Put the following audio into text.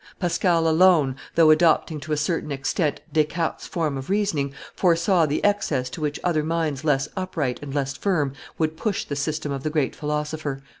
Pascal alone, though adopting to a certain extent Descartes' form of reasoning, foresaw the excess to which other minds less upright and less firm would push the system of the great philosopher.